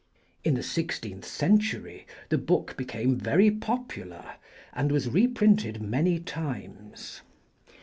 In the sixteenth century the book became very popular, and was reprinted many times.